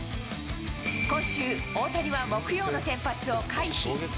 今週、大谷は木曜の先発を回避。